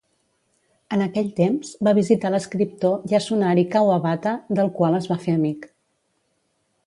En aquell temps, va visitar l'escriptor Yasunari Kawabata, del qual es va fer amic.